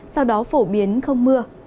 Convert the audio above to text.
sau đó phổ biến không mưa